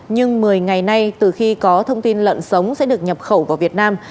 nhưng một mươi ngày nay từ khi có thông tin lợn sống sẽ được nhập khẩu vào việt nam